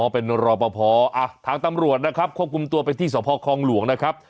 เป็นรอปภทางตำรวจนะครับควบคุมตัวไปที่สพคลองหลวงนะครับ